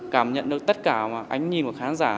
cảm nhận được tất cả ánh nhi của khán giả